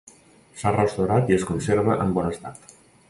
S'ha restaurat i es conserva en bon estat.